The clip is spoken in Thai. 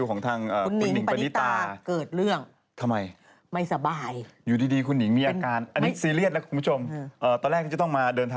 ข่าวใส่ไทยสดไม่ใหญ่เยอะ